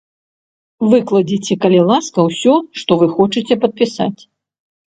Выкладзіце калі ласка ўсё, што вы хочаце падпісаць.